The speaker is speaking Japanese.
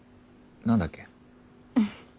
何だっけ？